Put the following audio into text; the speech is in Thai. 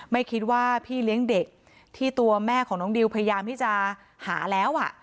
ไม่คิดว่าพี่เลี้ยงเด็กที่ตัวแม่ของน้องดิวพยายามที่จะหาแล้ว